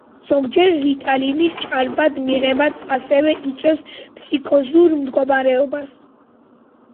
ზოგჯერ, რიტალინის® ჭარბად მიღებაც ასევე იწვევს ფსიქოზურ მდგომარეობას.